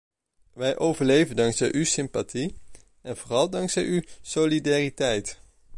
Wij overleven dankzij uw sympathie, en vooral dankzij uw solidariteit!